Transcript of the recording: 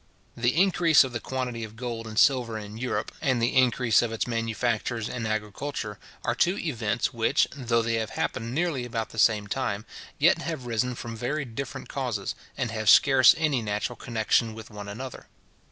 The increase of the quantity of gold and silver in Europe, and the increase of its manufactures and agriculture, are two events which, though they have happened nearly about the same time, yet have arisen from very different causes, and have scarce any natural connection with one another.